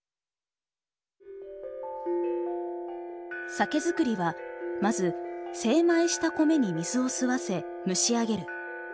酒造りはまず精米した米に水を吸わせ蒸し上げる。